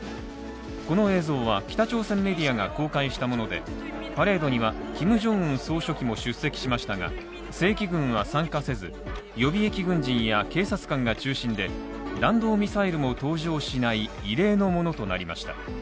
この映像は北朝鮮メディアが公開したものでパレードにはキム・ジョンウン総書記も出席しましたが正規軍は参加せず予備役軍人や警察官が中心で弾道ミサイルも登場しない異例のものとなりました